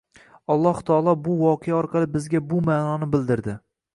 Alloh taolo bu voqea orqali bizga bu ma’noni bildirdi.